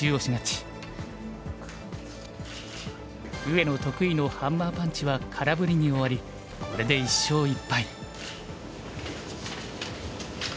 上野得意のハンマーパンチは空振りに終わりこれで１勝１敗。